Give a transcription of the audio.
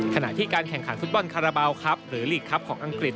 ขณะที่การแข่งขันฟุตบอลคาราบาลครับหรือลีกครับของอังกฤษ